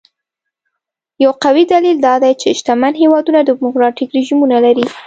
یو قوي دلیل دا دی چې شتمن هېوادونه ډیموکراټیک رژیمونه لري.